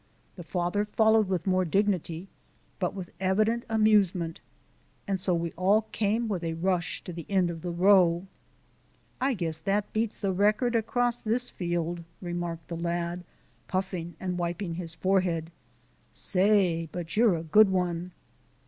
The father followed with more dignity, but with evident amusement, and so we all came with a rush to the end of the row. "I guess that beats the record across THIS field!" remarked the lad, puffing and wiping his forehead. "Say, but you're a good one!"